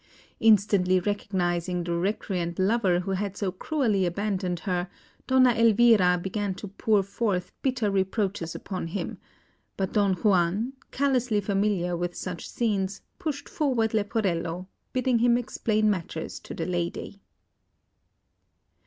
Instantly recognising the recreant lover who had so cruelly abandoned her, Donna Elvira began to pour forth bitter reproaches upon him; but Don Juan, callously familiar with such scenes, pushed forward Leporello, bidding him explain matters to the lady.